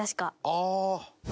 ああ！